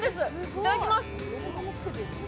いただきます。